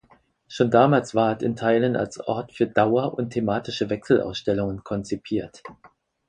Schon damals war es in Teilen als Ort für Dauer- und thematische Wechselausstellungen konzipiert.